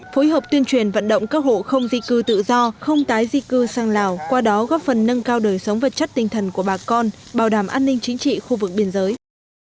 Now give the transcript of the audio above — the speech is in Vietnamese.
phối hợp tuyên truyền vận động các hộ không di cư tự do không tái di cư sang lào qua đó góp phần nâng cao đời sống vật chất tinh thần của bà con bảo đảm an ninh chính trị khu vực biên giới